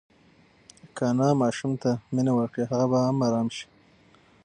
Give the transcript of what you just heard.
که انا ماشوم ته مینه ورکړي هغه به ارام شي.